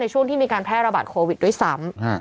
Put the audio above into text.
ช่วงที่มีการแพร่ระบาดโควิดด้วยซ้ำ